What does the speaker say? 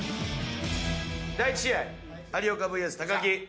第１試合有岡ＶＳ木。